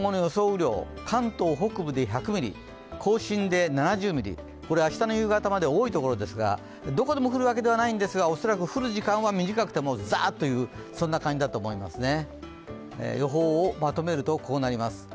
雨量、関東北部で１００ミリ更新で７０ミリ、これは明日の夕方まで、多いところですがどこでも降るわけではないんですが、恐らく降る時間は短くてもザーッていう感じだと思いますね。